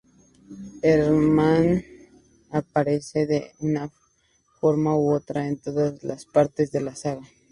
Herman aparece de una forma u otra en todas las partes de la saga.